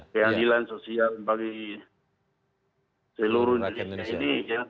keadilan sosial bagi seluruh indonesia